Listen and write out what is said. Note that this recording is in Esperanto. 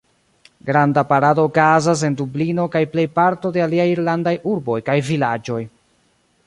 Granda parado okazas en Dublino kaj plejparto de aliaj Irlandaj urboj kaj vilaĝoj.